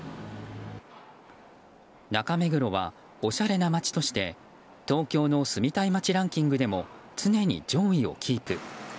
中目黒は、おしゃれな街として東京の住みたい街ランキングでも常に上位をキープ。